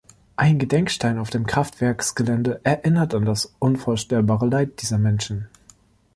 Ein Gedenkstein auf dem Kraftwerksgelände erinnert an das unvorstellbare Leid dieser Menschen.